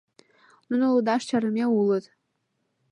— Нуно лудаш чарыме улыт.